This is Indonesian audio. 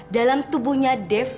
dalam tubuhnya dev